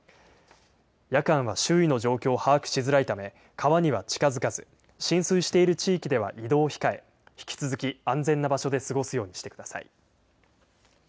夜間は周囲の状況を把握しづらいため川には近づかず浸水している地域では移動を控え引き続き安全な場所で過ごすようにしてください。